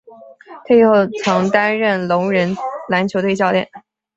退役后曾担任聋人篮球队教练。